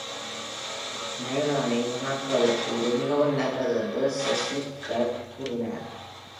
"மைரானை வீணாக்குவதற்கு இது மிகவும் நல்லது" என்று செல்ஸ்னிக் கிராக்ட் கூறினார்.